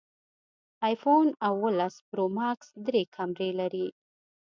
ایفون اوولس پرو ماکس درې کمرې لري